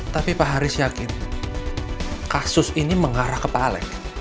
tapi pak haris yakin kasus ini mengarah ke pak alex